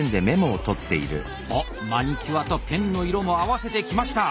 おっマニキュアとペンの色も合わせてきました。